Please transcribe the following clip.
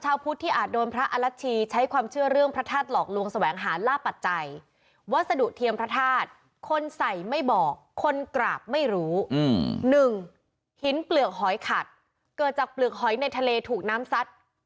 ๑หินเปลือกหอยขัดเกิดจากเปลือกหอยในทะเลถูกน้ำซัด